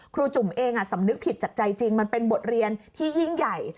จุ่มเองสำนึกผิดจากใจจริงมันเป็นบทเรียนที่ยิ่งใหญ่